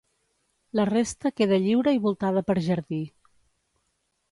La resta queda lliure i voltada per jardí.